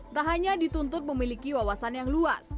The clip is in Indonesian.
tak hanya dituntut memiliki wawasan yang luas